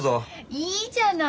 いいじゃない。